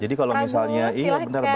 jadi kalau misalnya iya bener banget